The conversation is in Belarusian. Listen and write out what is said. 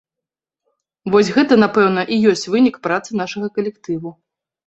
Вось гэта, напэўна, і ёсць вынік працы нашага калектыву.